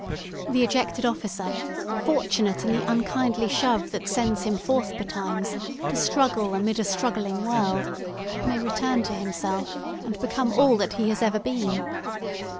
The ejected officer—fortunate in the unkindly shove that sends him forth betimes, to struggle amid a struggling world—may return to himself, and become all that he has ever been.